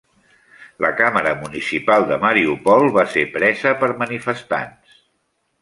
La Càmera Municipal de Mariupol va ser presa per manifestants.